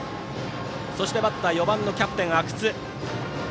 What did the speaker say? そしてバッターは４番のキャプテン、阿久津。